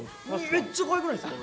めっちゃかわいくないですか？